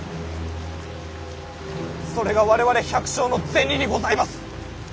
それが我々百姓の銭にございます！